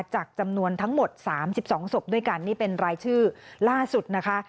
จำนวนทั้งหมด๓๒ศพด้วยกันนี่เป็นรายชื่อล่าสุดนะคะ